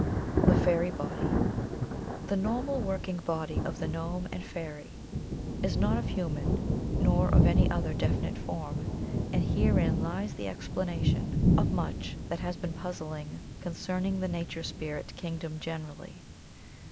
"The Fairy Body. — The normal working body of the gnome and fairy is not of human 175 THE COMING OF THE FAIRIES nor of any other definite form, and herein lies the explanation of much that has been puzzling concerning the nature spirit king dom generally.